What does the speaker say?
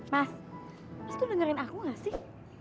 mas lo dengerin aku nggak sih